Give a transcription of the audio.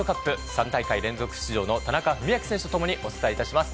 ３大会連続出場の田中史朗選手と共にお伝えします。